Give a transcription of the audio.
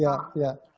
delapan belas ya pak